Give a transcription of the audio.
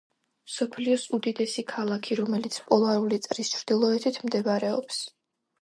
მსოფლიოს უდიდესი ქალაქი, რომელიც პოლარული წრის ჩრდილოეთით მდებარეობს.